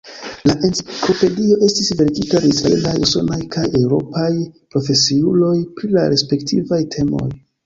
La enciklopedio estis verkita de israelaj, usonaj kaj eŭropaj profesiuloj pri la respektivaj temoj.